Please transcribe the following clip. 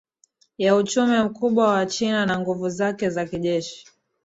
ya uchumi mkubwa wa china na nguvu zake za kijeshi